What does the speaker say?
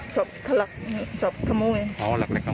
ชอบขโมยอ๋อหลักไหลกขโมยน้อยไปนะฮะหลักพีศทางเจ็บบ้านของมัน